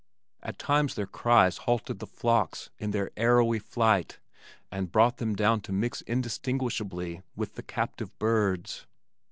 At times their cries halted the flocks in their arrowy flight and brought them down to mix indistinguishably with the captive birds.